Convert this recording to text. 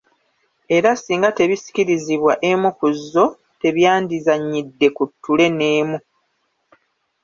Era singa tebisikirizbwa emu ku zzo, tebyandizannyidde ku ttule n’emu.